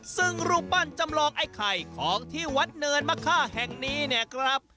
ซึ่งรูปปั้นจำลองไอ้ไข่ของที่วัดเนินมะค่าแห่งนี้เนี่ยครับ